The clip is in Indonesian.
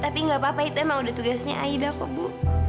tapi nggak apa apa itu emang udah tugasnya aida kok bu